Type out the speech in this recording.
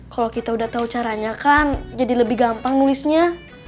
kalau kita udah tahu caranya kan jadi lebih gampang nulisnya